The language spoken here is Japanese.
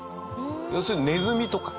要するに、ネズミとか。